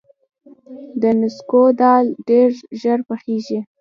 د نسکو دال ډیر ژر پخیږي.